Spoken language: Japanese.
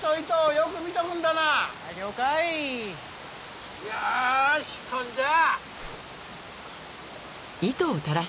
よしほんじゃあ。